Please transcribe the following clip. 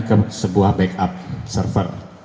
ke sebuah backup server